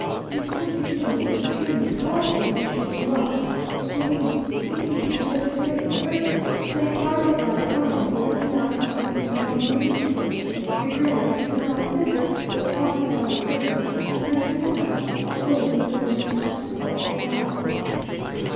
He seemed to think it extremely probable that we should be robbed, believed, indeed had just heard it asserted, that a party of ladrones were looking out for el Señor Ministro, regretted that he could not assist us, though quite at our service, and recommended us to wait until the next escort should arrive.